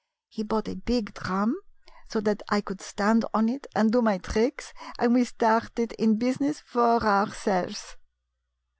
He bought a big drum, so that I could stand on it and do my tricks, and we started in business for ourselves."